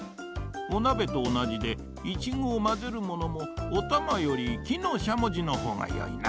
おなべとおなじでイチゴをまぜるものもおたまよりきのしゃもじのほうがよいな。